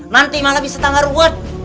nanti malah bisa tanggal